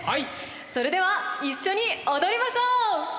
それでは一緒に踊りましょう！